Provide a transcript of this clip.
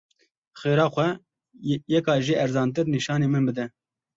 Xêra xwe, yeka jê ezantir nîşanî min bide.